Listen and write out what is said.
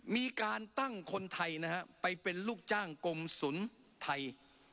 มีการตั้งคนไทยนะฮะไปเป็นลูกจ้างกรมศูนย์ไทย